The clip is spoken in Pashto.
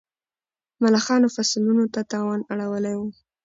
ملخانو فصلونو ته تاوان اړولی و.